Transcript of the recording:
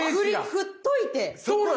振っといて。